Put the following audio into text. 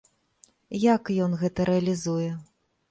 Як ён гэта рэалізуе?